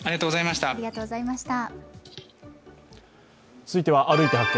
続いては「歩いて発見！